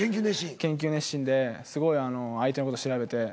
研究熱心ですごいあの相手の事調べて。